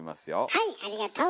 はいありがとう！